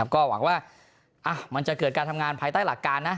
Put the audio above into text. ก็หวังว่ามันจะเกิดการทำงานภายใต้หลักการนะ